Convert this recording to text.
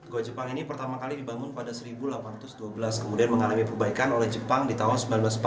goa jepang ini pertama kali dibangun pada seribu delapan ratus dua belas kemudian mengalami perbaikan oleh jepang di tahun seribu sembilan ratus empat puluh lima